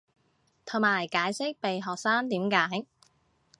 同埋解釋被學生點解